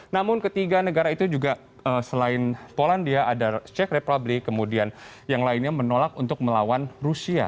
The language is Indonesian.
namun ketiga negara itu juga selain polandia ada check republic kemudian yang lainnya menolak untuk melawan rusia